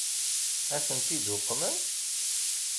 Ad tent-id-uqmen?